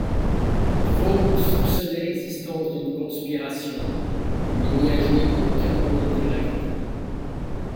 Vaux soupçonnait l'existence d'une conspiration, mais n'y a joué aucun rôle direct.